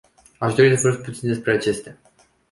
Aș dori să vorbesc puțin despre acestea.